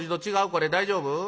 これ大丈夫？